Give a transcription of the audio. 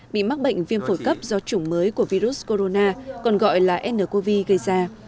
bị mắc bệnh viêm phổi cấp do chủng mới của virus corona còn gọi là ncov gây ra